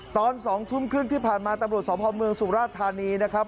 ตอน๒ทุ่มครึ่งที่ผ่านมาตำรวจสพเมืองสุราชธานีนะครับ